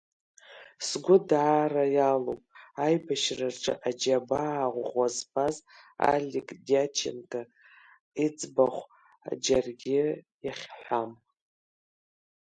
Сгәы даара иалоуп аибашьраҿы аџьа-баа ӷәӷәа збаз Алик Диаченко иӡбахә џьаргьы иахьҳәам.